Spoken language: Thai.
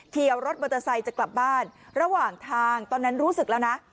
เขียวรถมอเตอร์ไซค์จะกลับบ้านระหว่างทางตอนนั้นรู้สึกแล้วนะ